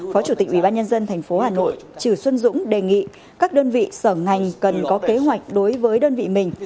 phó chủ tịch ubnd tp hà nội trừ xuân dũng đề nghị các đơn vị sở ngành cần có kế hoạch đối với đơn vị mình